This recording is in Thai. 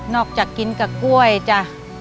นอกจากกินกับกล้วยจ้ะ